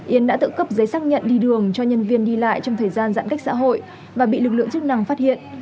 yến đã tự cấp giấy xác nhận đi đường cho nhân viên đi lại trong thời gian giãn cách xã hội và bị lực lượng chức năng phát hiện